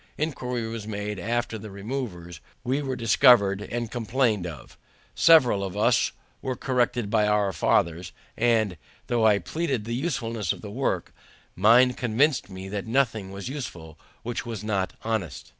Inquiry was made after the removers; we were discovered and complained of; several of us were corrected by our fathers; and, though I pleaded the usefulness of the work, mine convinced me that nothing was useful which was not honest.